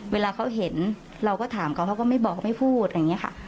เวลาเขาเห็นเราก็ถามเขาเขาก็ไม่บอกไม่พูดอะไรอย่างนี้ค่ะ